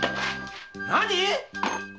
何！？